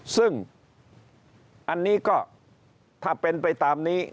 ซึ่งอันนี้ก็ถ้าเป็นไปตามนี้